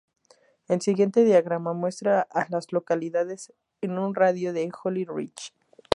El siguiente diagrama muestra a las localidades en un radio de de Holly Ridge.